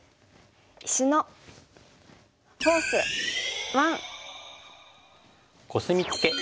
「石のフォース１」。